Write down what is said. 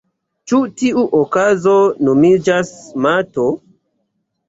Ĉi tiu okazo nomiĝas mato.